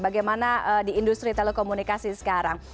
bagaimana di industri telekomunikasi sekarang